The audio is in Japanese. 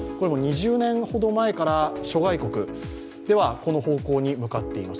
２０年ほど前から諸外国ではこの方向に向かっています。